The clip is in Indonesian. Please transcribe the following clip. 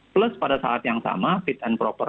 plus pada saat yang sama fit and proper